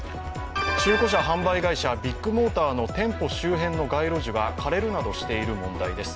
中古車販売会社、ビッグモーターの店舗周辺の街路樹が枯れるなどしている問題です。